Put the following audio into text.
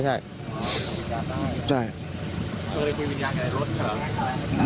คุยกับวิญญาณใด้รถหรอ